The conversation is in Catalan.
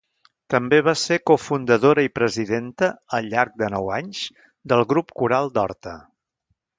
També va ser cofundadora i presidenta, al llarg de nou anys, del Grup Coral d'Horta.